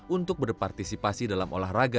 untuk berpartisipasi dalam olahraga